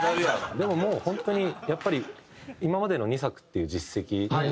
でももう本当にやっぱり今までの２作っていう実績と。